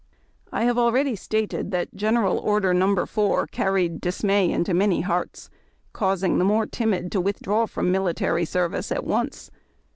I have already stated that General Order No. 4 carried dismay into many hearts, causing the more timid to with draw from military service at once.